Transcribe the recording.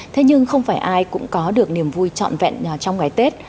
thế nhưng không phải ai cũng có được niềm vui trọn vẹn trong ngày tết